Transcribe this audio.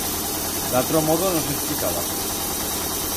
D'atro modo no s'espllicaba.